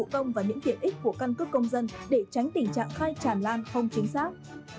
thiện ích của căn cước công dân để tránh tình trạng khai tràn lan không chính xác